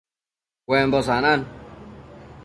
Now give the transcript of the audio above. Cuembo sanan